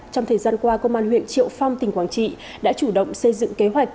trong thời gian qua công an huyện triệu phong tỉnh quảng trị đã chủ động xây dựng kế hoạch